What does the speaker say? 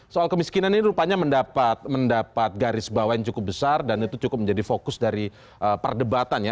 soal kemiskinan ini rupanya mendapat garis bawah yang cukup besar dan itu cukup menjadi fokus dari perdebatan ya